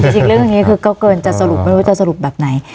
จริงเรื่องนี้คือก็เกินจะสรุปไม่รู้จะสรุปแบบไหน